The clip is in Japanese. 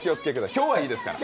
今日はいいですから。